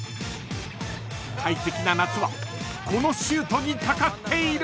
［快適な夏はこのシュートに懸かっている］